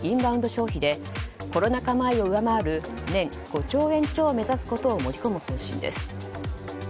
消費でコロナ禍前を上回る年５兆円超を目指すことを盛り込む方針です。